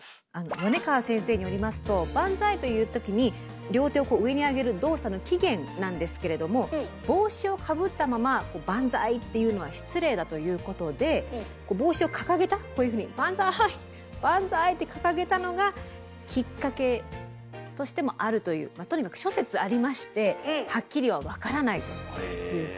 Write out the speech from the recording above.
米川先生によりますと「バンザイ」と言うときに両手を上にあげる動作の起源なんですけれども帽子を被ったままバンザイっていうのは失礼だということで帽子をかかげたこういうふうに「バンザイ！バンザイ！」ってかかげたのがきっかけとしてもあるというまあとにかく諸説ありましてはっきりは分からないということです。